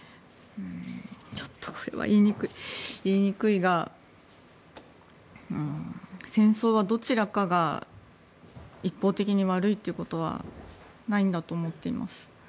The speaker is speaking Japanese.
ちょっとこれは言いにくいが戦争はどちらかが一方的に悪いということはないんだと思っています。